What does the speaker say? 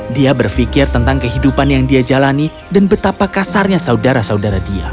dia berpikir tentang kehidupan yang dia jalani dan betapa kasarnya saudara saudara dia